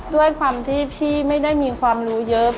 ด้วยความที่พี่ไม่ได้มีความรู้เยอะ